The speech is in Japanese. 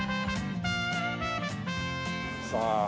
さあ。